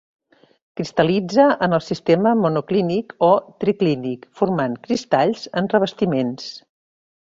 Cristal·litza en el sistema monoclínic o triclínic, formant cristalls, en revestiments.